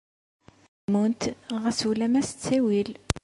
Ad gmunt, xas ulama s ttawil.